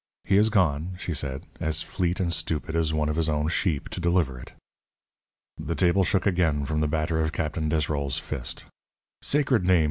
"He is gone," she said, "as fleet and stupid as one of his own sheep, to deliver it." The table shook again from the batter of Captain Desrolles's fist. "Sacred name!"